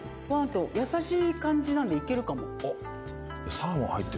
優しい感じなんでいけるかも。